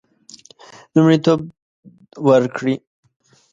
لومړیتوب ورکړي.